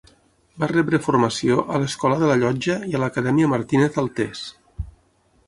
Va rebre formació a l'Escola de la Llotja i a l'Acadèmia Martínez Altés.